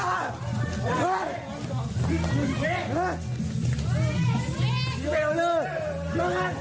ไอ้พี่เอาเลย